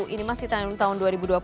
ini masih tahun dua ribu dua puluh